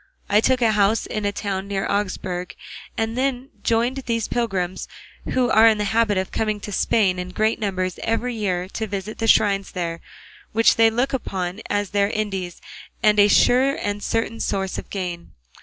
I took a house in a town near Augsburg, and then joined these pilgrims, who are in the habit of coming to Spain in great numbers every year to visit the shrines there, which they look upon as their Indies and a sure and certain source of gain.